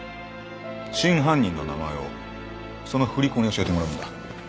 真犯人の名前をその振り子に教えてもらうんだ。